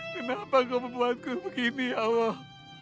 kenapa engkau membuatku begini ya allah